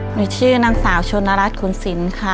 หนูชื่อนางสาวชนรัฐคุณสินค่ะ